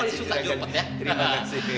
terima kasih juragan